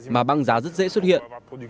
mà băng giá rất dễ xuất hiện